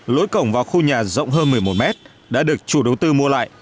lối cổng vào khu nhà rộng hơn một mươi một mét đã được chủ đầu tư mua lại